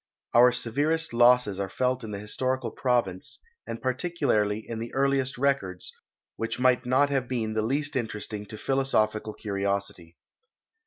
Our severest losses are felt in the historical province, and particularly in the earliest records, which might not have been the least interesting to philosophical curiosity.